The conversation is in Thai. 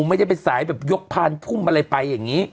ไม่ได้ไปสายแบบยกพานพุ่มอะไรไปอย่างนี้